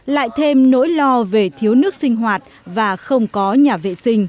lại thêm nỗi lo về việc học tập